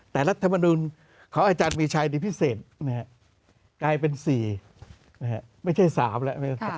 แต่รัฐมนุนของอาจารย์มีชายในพิเศษกลายเป็นสี่ไม่ใช่สามละ